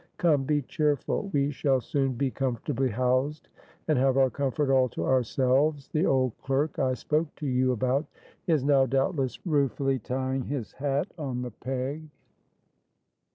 Come, be cheerful, we shall soon be comfortably housed, and have our comfort all to ourselves; the old clerk I spoke to you about, is now doubtless ruefully eying his hat on the peg.